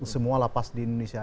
semua lapas di indonesia